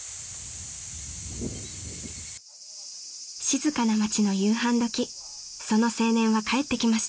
［静かな町の夕飯時その青年は帰ってきました］